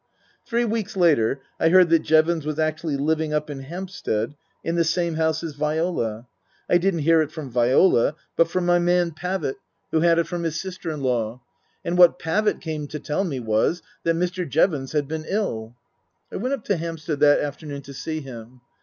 Three weeks later I heard that Jevons was actually living up in Hampstead in the same house as Viola. I didn't hear it from Viola, but from my man, Pavitt, who Book I : My Book 31 had it from his sister in law. And what Pavitt came to tell me was that Mr. Jevons had been ill. I went up to Hampstead that afternoon to see him.